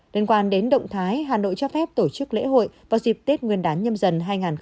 liên quan đến động thái hà nội cho phép tổ chức lễ hội vào dịp tết nguyên đán nhâm dần hai nghìn hai mươi bốn